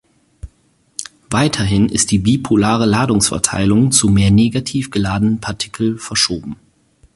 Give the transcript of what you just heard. Weiterhin ist die bipolare Ladungsverteilung zu mehr negativ geladenen Partikel verschoben.